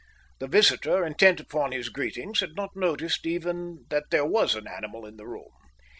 The visitor, intent upon his greetings, had not noticed even that there was an animal in the room.